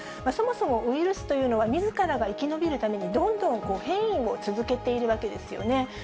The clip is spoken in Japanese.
そもそもウイルスというのは、みずからが生き延びるためにどんどん変異を続けているわけですよね。